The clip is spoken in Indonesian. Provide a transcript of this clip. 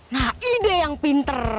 nah ide yang pinter